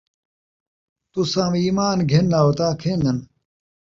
تُساں we ایمان گِھن آؤ تاں اَکھیندن،